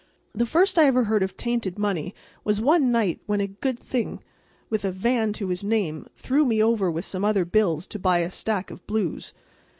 The first I ever heard of tainted money was one night when a good thing with a Van to his name threw me over with some other bills to buy a stack of blues.